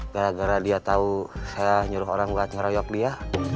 gara gara dia tahu saya nyuruh orang gak nyeroyok dia